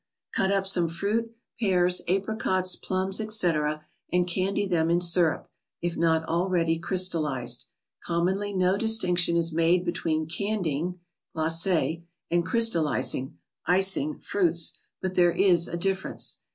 Cut up some fruit, pears, apricots, plums, etc., and candy them in syrup, if not already crystalized. Commonly no distinc¬ tion is made between candying {glace) and crystalizing {icing) fruits, but there is a difference.